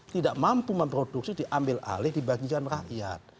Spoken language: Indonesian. tidak mampu memproduksi diambil alih dibandingkan rakyat